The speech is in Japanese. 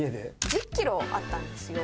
１０キロあったんですよ。